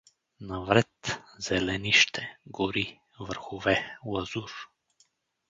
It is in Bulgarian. Навред — зеленище, гори, върхове, лазур.